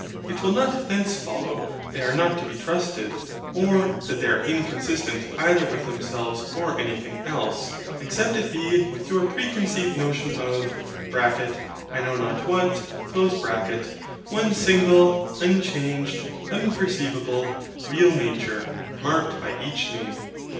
It will not thence follow they are not to be trusted; or that they are inconsistent either with themselves or anything else: except it be with your preconceived notion of (I know not what) one single, unchanged, unperceivable, real Nature, marked by each name.